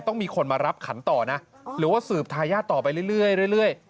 ต้องมีคนมารับขันต่อนะหรือว่าสืบทายาทต่อไปเรื่อย